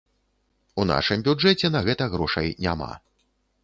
У нашым бюджэце на гэта грошай няма.